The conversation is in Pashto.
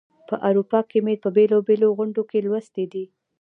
په اروپا کې مي په بېلو بېلو غونډو کې لوستې دي.